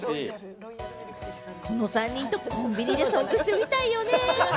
この３人とコンビニで遭遇してみたいよね。